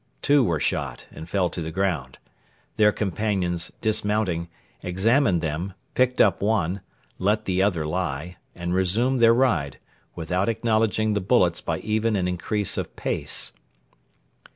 Two were shot and fell to the ground. Their companions, dismounting, examined them, picked up one, let the other lie, and resumed their ride, without acknowledging the bullets by even an increase of pace.